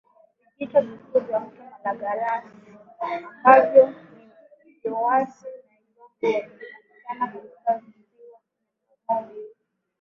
Vijito vikuu vya mto Malagarasi ambavyo ni Myowosi na Igombe vinakutana katika Ziwa Nyamagoma